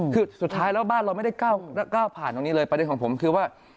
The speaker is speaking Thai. คือสุดท้ายแล้วบ้านเราไม่ได้ก้าวผ่านตรงนี้เลยประเด็นของผมคือว่า